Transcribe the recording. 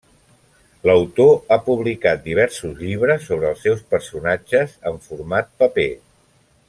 L'autor ha publicat diversos llibres sobre els seus personatges en format paper.